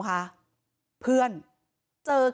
หมาก็เห่าตลอดคืนเลยเหมือนมีผีจริง